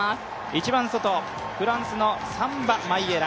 一番外、フランスのサンバマイエラ。